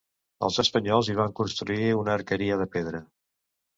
Els espanyols hi van construir una arqueria de pedra.